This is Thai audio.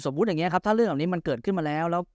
สมมุติอย่างเงี้ยครับถ้าเรื่องแบบนี้มันเกิดขึ้นมาแล้วแล้ว